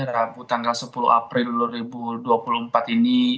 rabu tanggal sepuluh april dua ribu dua puluh empat ini